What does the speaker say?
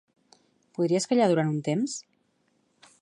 Podries callar durant un temps?